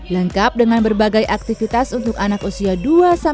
lengkap dengan berbagai aktivitas untuk anak usia dua sampai lima tahun dan didampingi fasilitator